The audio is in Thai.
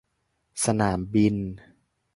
สนามบิน